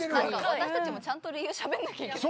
私たちもちゃんと理由しゃべんなきゃいけない。